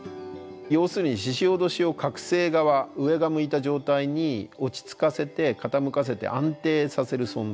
要するにししおどしを覚醒側上が向いた状態に落ち着かせて傾かせて安定させる存在。